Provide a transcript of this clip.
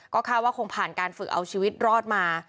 ก็คาดว่าคงผ่านการฝึกเอาชีวิตรอดมา